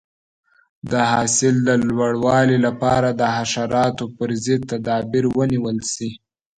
د حاصل د لوړوالي لپاره د حشراتو پر ضد تدابیر ونیول شي.